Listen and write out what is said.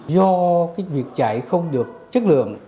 do cái việc chạy không được chất lượng